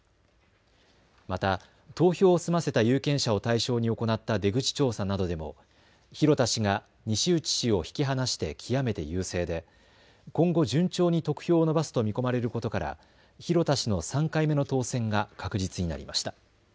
また投票を済ませた有権者を対象に行った出口調査などでも広田氏が西内氏を引き離して極めて優勢で今後、順調に得票を伸ばすと見込まれることから広田氏の３回目の当選が確実になりました。